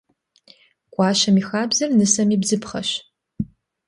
Гуащэм и хабзэр нысэм и бзыпхъэщ.